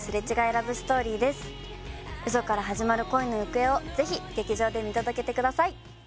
ラブストーリーですウソから始まる恋の行方をぜひ劇場で見届けてください